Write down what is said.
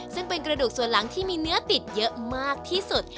ซึ่งเป็นกระดูกส่วนหลังที่มีเนื้อติดเยอะมากที่สุด